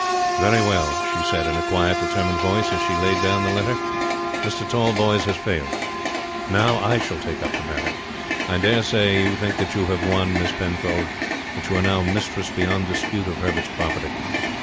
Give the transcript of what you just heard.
"Very well," she said, in a quiet, determined voice, as she laid down the letter. "Mr. Tallboys has failed. Now, I shall take up the matter. I dare say you think that you have won, Miss Penfold; that you are now mistress beyond dispute of Herbert's property.